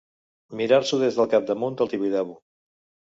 Mirar-s'ho des del capdamunt del Tibidabo.